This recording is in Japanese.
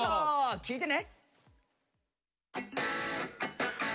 聴いてね！